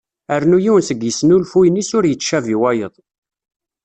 Rnu yiwen seg yisnulfuyen-is ur yettcabi wayeḍ.